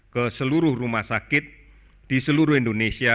ke seluruh rumah sakit di seluruh indonesia